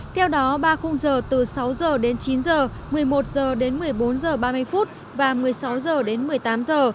theo đó ba khung giờ từ sáu giờ đến chín giờ một mươi một giờ đến một mươi bốn giờ ba mươi phút và một mươi sáu giờ đến một mươi tám giờ